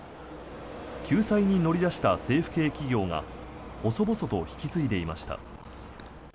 救済に乗り出した政府系企業が細々と引き継いでいました。